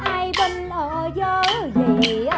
ai bên lỡ dỡ gì